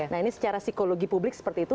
nah ini secara psikologi publik seperti itu